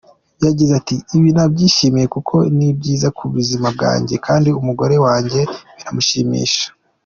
Yagize ati “Ibi nabyishimiye kuko ni byiza ku buzima bwanjye kandi umugore wanjye biramushimisha.